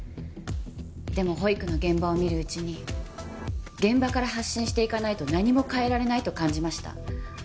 でも保育の現場を見るうちに現場から発信していかないと何も変えられないと感じました。